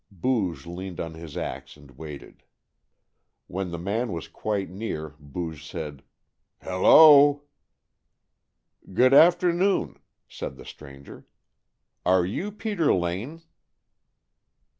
Booge leaned on his ax and waited. When the man was quite near Booge said, "Hello!" "Good afternoon," said the stranger. "Are you Peter Lane?"